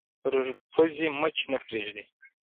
پر پوزې مچ نه پرېږدي